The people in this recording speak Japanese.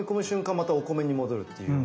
またお米に戻るっていうような。